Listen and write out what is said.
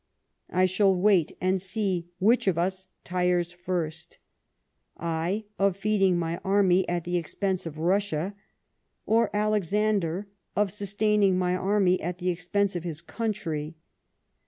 I shall wait and see which of us tires first : I, of feeding my army at the expense of Eussia ; or Alexander, of sustaining my army at the expense of his country.